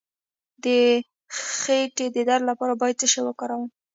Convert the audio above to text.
د خیټې د درد لپاره باید څه شی وکاروم؟